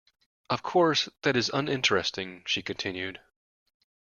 Of course, that is uninteresting, she continued.